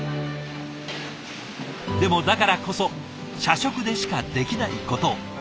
でもだからこそ社食でしかできないことを。